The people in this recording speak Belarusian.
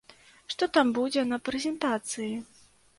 Што там будзе на прэзентацыі?